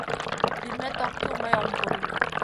Лӱдмет ок кӱл, мый ом пурл.